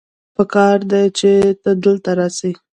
پکار دی چې ته دلته راسې